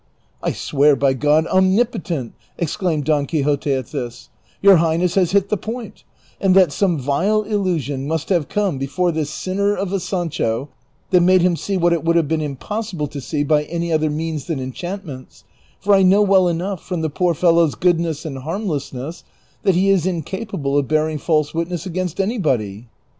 " I swear by God Omnipotent," exclaimed Don Quixote at this, " your highness has hit the point ; and that some vile illusion must have come before this sinner of a Sancho, that made him see what it woidd have been impossible to see by any other means than enchantments ; for I know well enough, from the poor fellow's goodness and harmlessness, that he is inca pable of bearing false witness against anybody."